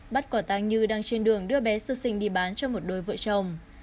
bắt quả tăng như đang trên đường đưa bé sơ sinh đi bán cho một đôi vợ chồng